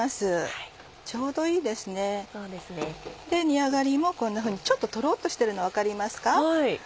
煮上がりもこんなふうにちょっととろっとしてるの分かりますか？